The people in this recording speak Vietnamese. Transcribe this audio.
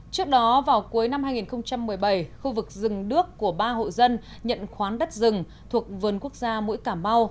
trước đó vào cuối năm hai nghìn một mươi bảy khu vực rừng đước của ba hộ dân nhận khoán đất rừng thuộc vườn quốc gia mũi cảm mau